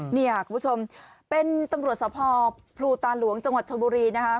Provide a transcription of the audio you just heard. เนี่ยคุณผู้ชมเป็นตำรวจสภพลูตาหลวงจังหวัดชนบุรีนะคะ